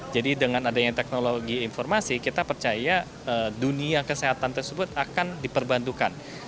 jadi dengan adanya teknologi informasi kita percaya dunia kesehatan tersebut akan diperbantukan